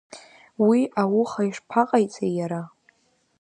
Уи ауха ишԥаҟаиҵеи иара?